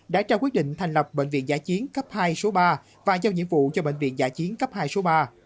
đã trao quyết định thành lập bệnh viện giã chiến cấp hai số ba và giao nhiệm vụ cho bệnh viện giã chiến cấp hai số ba